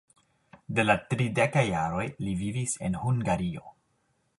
De la tridekaj jaroj li vivis en Hungario.